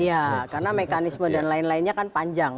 iya karena mekanisme dan lain lainnya kan panjang